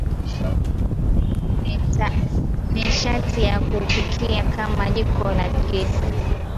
nishati ya kupikia kama jiko la gesi